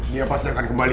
dia pasti akan kembali